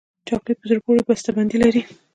چاکلېټ په زړه پورې بسته بندي لري.